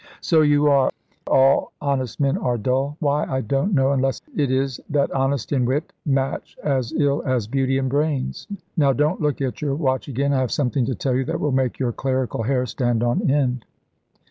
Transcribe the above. "So you are; all honest men are dull. Why, I don't know, unless it is that honesty and wit match as ill as beauty and brains. Now don't look at your watch again. I have something to tell you that will make your clerical hair stand on end."